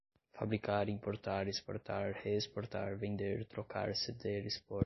fabricar, importar, exportar, reexportar, vender, trocar, ceder, expor